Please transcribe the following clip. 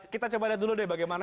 kita coba lihat dulu deh bagaimana